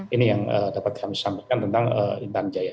ini yang dapat kami sampaikan tentang intan jaya